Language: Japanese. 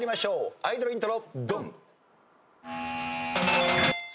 アイドルイントロ。